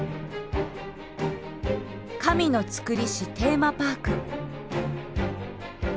神のつくりしテーマパーク。